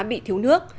bị thiếu nước